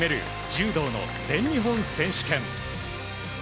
柔道の全日本選手権。